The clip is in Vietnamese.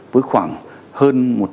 với khoảng hơn một trăm linh